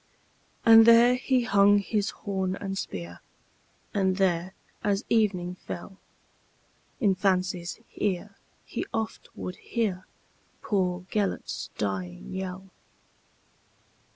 And there he hung his horn and spear, And there, as evening fell, In fancy's ear he oft would hearPoor Gêlert's dying yell.